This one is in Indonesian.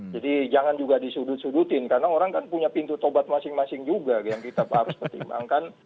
jadi jangan juga disudut sudutin karena orang kan punya pintu tobat masing masing juga yang kita harus pertimbangkan